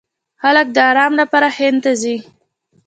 خلک د ارام لپاره هند ته ځي.